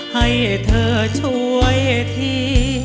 ให้เธอช่วยที